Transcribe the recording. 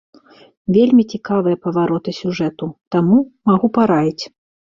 Вельмі цікавыя павароты сюжэту, таму, магу параіць.